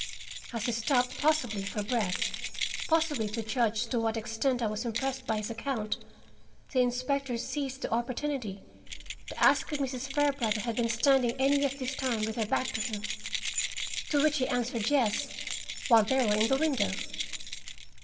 As he stopped, possibly for breath, possibly to judge to what extent I was impressed by his account, the inspector seized the opportunity to ask if Mrs. Fairbrother had been standing any of this time with her back to him. To which he answered yes, while they were in the window.